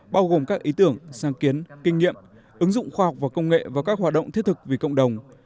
bao gồm các ý tưởng sáng kiến kinh nghiệm ứng dụng khoa học và công nghệ và các hoạt động thiết thực vì cộng đồng